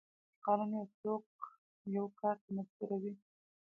قانون یو څوک یو کار ته مجبوروي.